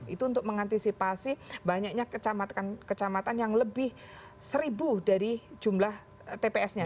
itu untuk mengantisipasi banyaknya kecamatan yang lebih seribu dari jumlah tps nya